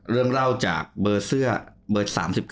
เรื่องเล่าจากเบอร์เสื้อเบอร์๓๙